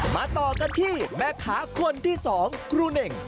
ต่อกันที่แม่ค้าคนที่๒ครูเน่ง